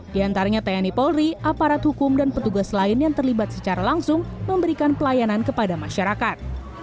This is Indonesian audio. di antaranya tni polri aparat hukum dan petugas lain yang terlibat secara langsung memberikan pelayanan kepada masyarakat